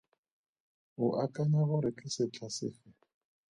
O akanya gore ke setlha sefe?